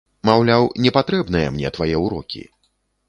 Маўляў, не патрэбныя мне твае ўрокі.